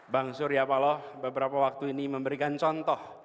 bang surya paloh beberapa waktu ini memberikan contoh